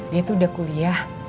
dia tuh udah kuliah